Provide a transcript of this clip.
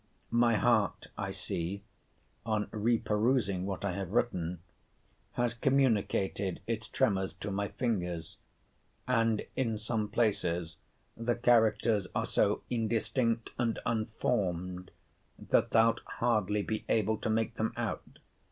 My heart, I see, (on re perusing what I have written,) has communicated its tremors to my fingers; and in some places the characters are so indistinct and unformed, that thou'lt hardly be able to make them out.